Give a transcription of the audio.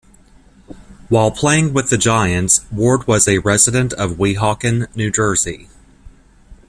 While playing with the Giants, Ward was a resident of Weehawken, New Jersey.